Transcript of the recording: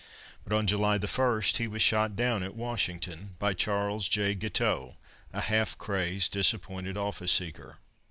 But on July 1 he was shot down at Washington by Charles J. Guiteau, a half crazed, disappointed office seeker.